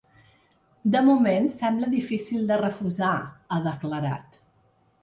De moment, sembla difícil de refusar, ha declarat.